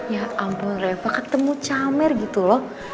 ya ampun reva ketemu camer gitu loh